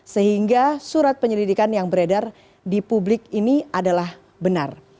sehingga surat penyelidikan yang beredar di publik ini adalah benar